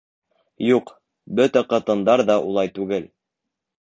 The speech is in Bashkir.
Юҡ, бөтә ҡатындар ҙа улай түгел.